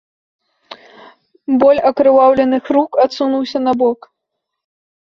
Боль акрываўленых рук адсунуўся набок.